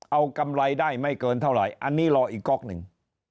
เอากำไรได้ไม่เกินเท่าไหร่อันนี้รออีกก๊อกหนึ่ง